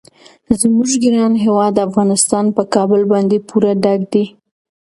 زموږ ګران هیواد افغانستان په کابل باندې پوره ډک دی.